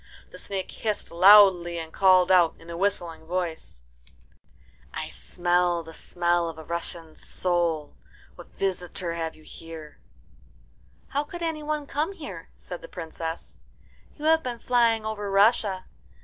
The snake hissed loudly, and called out in a whistling voice, "I smell the smell of a Russian soul. What visitor have you here?" "How could any one come here?" said the Princess. "You have been flying over Russia.